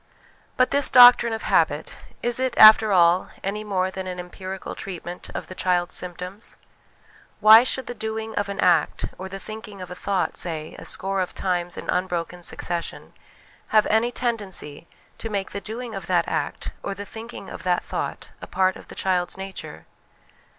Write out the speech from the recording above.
But this doctrine of habit, is it, after all, any more than an empirical treatment of the child's symptoms ? Why should the doing of an act or the thinking of a thought, say, a score of times in unbroken succession, have any tendency to make the doing of that act or the thinking of that thought a part of the child's nature?